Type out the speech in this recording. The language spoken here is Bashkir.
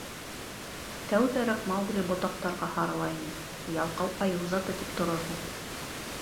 Тәүҙәрәк Маугли ботаҡтарға һарыла ине — ялҡау айыу заты тип торорһоң.